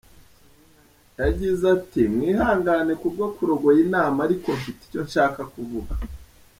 Yagize ati "Mwihangane ku bwo kurogoya inama ariko mfite icyo nshaka kuvuga.